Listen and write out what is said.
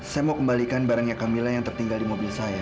saya mau kembalikan barangnya camilla yang tertinggal di mobil saya